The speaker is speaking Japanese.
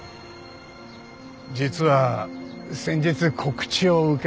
実は先日告知を受けました。